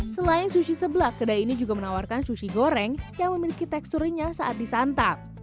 selain sushi seblak kedai ini juga menawarkan sushi goreng yang memiliki tekstur renyah saat disantap